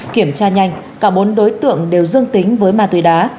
kiểm tra nhanh cả bốn đối tượng đều dương tính với ma túy đá